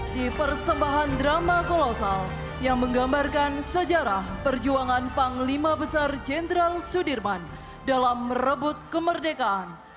di persembahan drama kolosal yang menggambarkan sejarah perjuangan panglima besar jenderal sudirman dalam merebut kemerdekaan